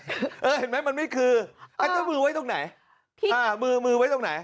เออเห็นมั้ยมันไม่คือมันจะเอามือไว้ตรงไหนมือไว้ตรงไหน